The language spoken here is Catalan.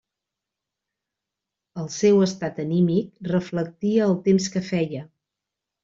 El seu estat anímic reflectia el temps que feia.